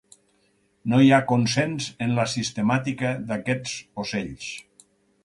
No hi ha consens en la sistemàtica d'aquests ocells.